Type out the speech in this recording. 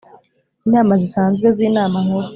Inama zisanzwe z inama nkuru